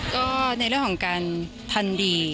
ก็ในเรื่องของการทำดี